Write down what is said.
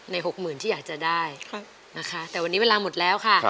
หกหมื่นที่อยากจะได้นะคะแต่วันนี้เวลาหมดแล้วค่ะ